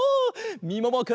みももくん。